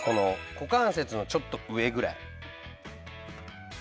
こかんせつのちょっと上ぐらい。